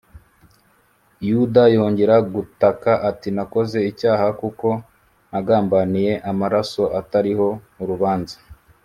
yuda yongera gutaka ati, “nakoze icyaha, kuko nagambaniye amaraso atariho urubanza